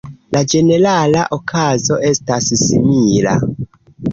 La ĝenerala okazo estas simila.